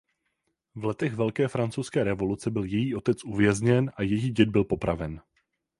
V letech Velké francouzské revoluce byl její otec uvězněn a její děd byl popraven.